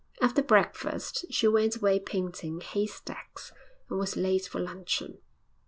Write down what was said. After breakfast she went away painting haystacks, and was late for luncheon.